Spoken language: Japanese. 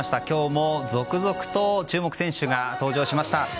今日も続々と注目選手が登場しました。